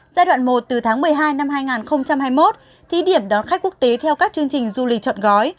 giai đoạn một từ tháng một mươi hai năm hai nghìn hai mươi một thí điểm đón khách quốc tế theo các chương trình du lịch chọn gói